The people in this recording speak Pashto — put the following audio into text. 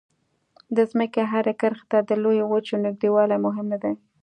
د ځمکې هرې کرښې ته د لویو وچو نږدېوالی مهم نه دی.